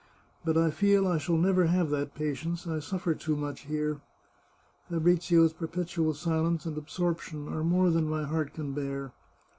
But I feel I shall never have that patience ; I suffer too much here. Fabrizio's perpetual silence and absorption are more than my heart can bear.